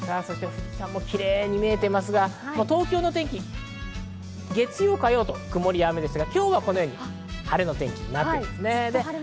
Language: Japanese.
富士山もキレイに見えていますが、東京の天気、月曜、火曜と曇り雨ですが、今日はこのように晴れの天気になってるんですね。